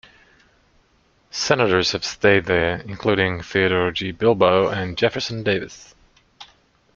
Senators have stayed there, including Theodore G. Bilbo and Jefferson Davis.